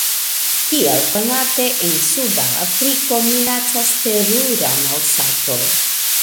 Kiel konate, en suda Afriko minacas terura malsato.